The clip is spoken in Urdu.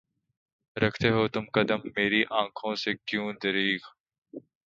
رکھتے ہو تم قدم میری آنکھوں سے کیوں دریغ؟